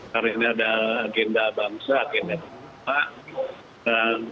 karena ada agenda bangsa